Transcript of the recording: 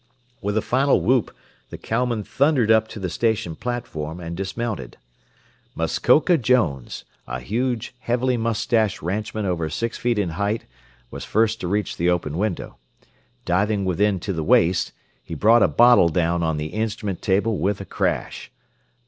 With a final whoop the cowmen thundered up to the station platform, and dismounted. Muskoka Jones, a huge, heavily moustached ranchman over six feet in height, was first to reach the open window. Diving within to the waist, he brought a bottle down on the instrument table with a crash.